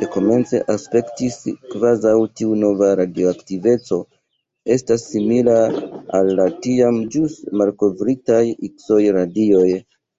Dekomence, aspektis, kvazaŭ tiu nova radioaktiveco estas simila al la tiam ĵus malkovritaj Ikso-radioj.